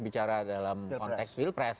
bicara dalam konteks field press